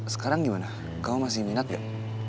sekarang gimana kamu masih minat gak